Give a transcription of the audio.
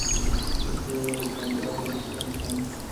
Es sede del condado de Sampson.